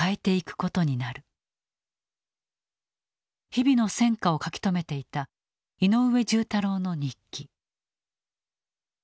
日々の戦果を書き留めていた井上重太郎の日記。